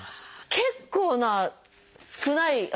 結構な少ない。